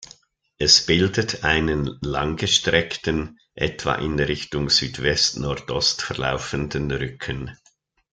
Es bildet einen langgestreckten, etwa in Richtung Südwest-Nordost verlaufenden Rücken.